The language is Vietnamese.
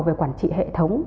về quản trị hệ thống